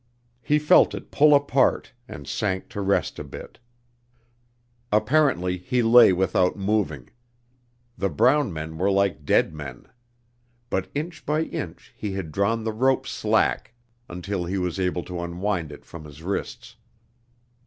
He felt it pull apart, and sank to rest a bit. Apparently he lay without moving. The brown men were like dead men. But inch by inch he had drawn the rope slack until he was able to unwind it from his wrists.